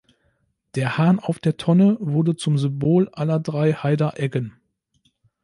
Der Hahn auf der Tonne wurde zum Symbol aller drei Heider Eggen.